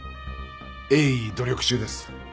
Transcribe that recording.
鋭意努力中です。